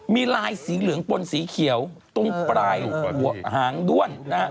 มีลายสีเหลืองปนสีเขียวตรงปลายหัวหางด้วนนะฮะ